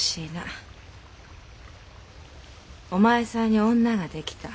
お前さんに女ができた。